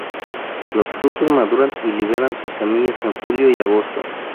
Los frutos maduran y liberan sus semillas en julio y agosto.